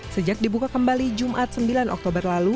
sejak dibuka kembali jumat sembilan oktober lalu